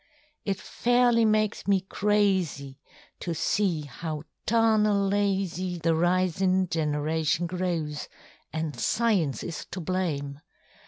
It fairly makes me crazy to see how tarnal lazy The risinŌĆÖ generation growsŌĆöanŌĆÖ science is to blame.